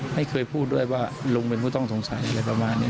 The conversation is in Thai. ไม่เคยพูดด้วยว่าลุงเป็นผู้ต้องสงสัยอะไรประมาณนี้